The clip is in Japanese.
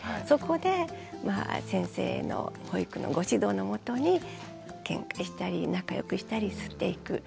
そこで先生の保育のご指導の下にけんかしたり仲よくしたりしていく。